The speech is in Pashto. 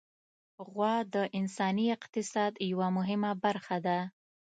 غوا د انساني اقتصاد یوه مهمه برخه ده.